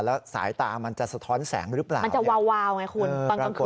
แล้วสายตามันจะสะท้อนแสงหรือเปล่ามันจะวาวไงคุณตอนกลางคืน